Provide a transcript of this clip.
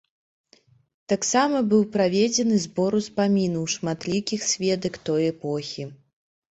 Таксама быў праведзены збор успамінаў шматлікіх сведак той эпохі.